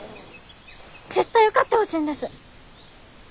絶対受かってほしいんです。